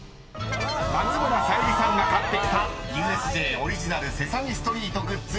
［松村沙友理さんが買ってきたＵＳＪオリジナル『セサミストリート』グッズ